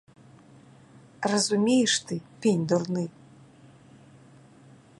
Разумееш ты, пень дурны?